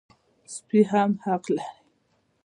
سپي هم حق لري.